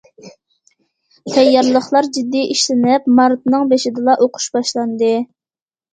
تەييارلىقلار جىددىي ئىشلىنىپ، مارتنىڭ بېشىدىلا ئوقۇش باشلاندى.